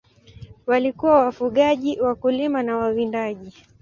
Walikuwa wafugaji, wakulima na wawindaji.